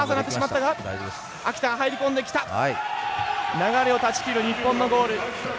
流れを断ち切る日本のゴール。